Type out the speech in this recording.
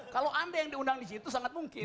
kalau anda yang diundang disitu sangat mungkin